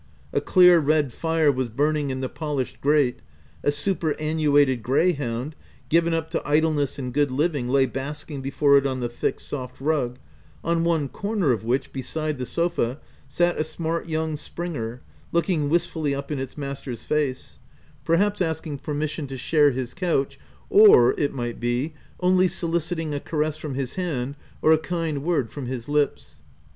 A clear, red fire was burning in the polished grate : a superannuated grey hound, given up to idleness and good living lay basking before it on the thick, soft rug, on one corner of which, beside the sofa, sat a smart young springer, looking wistfully up in its master's face ; perhaps, asking permission OF WILDFELL HALL. 159 to share his couch, or, it might be, only soli citing a caress from his hand or a kind word from his lips.